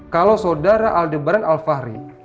kalau saudara aldebaran alfahri